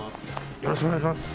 よろしくお願いします